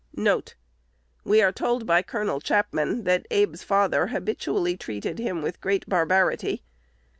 1 1 We are told by Col. Chapman that Abe's father habitually treated him with great barbarity.